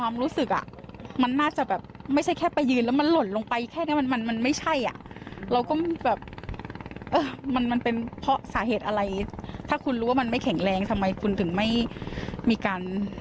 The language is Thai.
มันสร้างมานานแค่ไหน